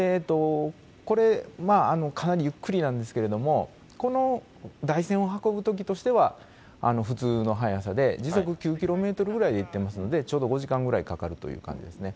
これ、かなりゆっくりなんですけれども、この台船を運ぶときとしては、普通の速さで、時速９キロメートルくらいで行ってますんで、ちょうど５時間ぐらいかかるという感じですね。